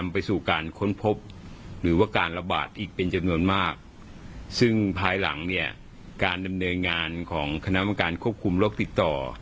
เป็นจบนวนมากซึ่งภายหลังเนี่ยการดำเนยงานของคณะมักการควบคุมโลกติดต่อ